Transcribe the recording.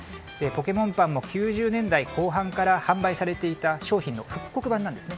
ポケモンパンも９０年代後半から販売されていた商品の復刻版なんです。